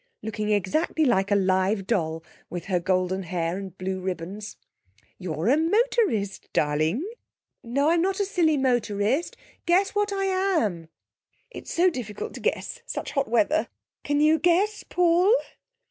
looking exactly like a live doll, with her golden hair and blue ribbons. 'You're a motorist, darling.' 'No, I'm not a silly motorist. Guess what I am?' 'It's so difficult to guess, such hot weather! Can you guess, Paul?'